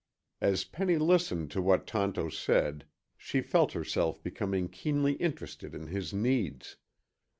As Penny listened to what Tonto said, she felt herself becoming keenly interested in his needs.